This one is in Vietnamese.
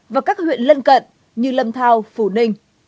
và các huyện lân cận như lâm thao phủ ninh